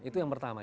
itu yang pertama